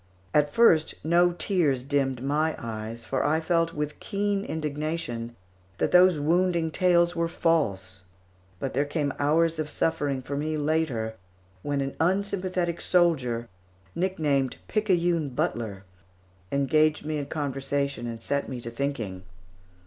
At first no tears dimmed my eyes, for I felt, with keen indignation, that those wounding tales were false; but there came hours of suffering for me later, when an unsympathetic soldier, nicknamed "Picayune Butler," engaged me in conversation and set me to thinking.